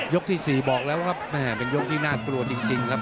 ที่๔บอกแล้วครับแม่เป็นยกที่น่ากลัวจริงครับ